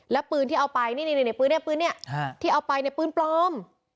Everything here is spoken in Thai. แล้วปืนที่เอาไปนี่ปืนเนี่ยที่เอาไปในปืนปลอม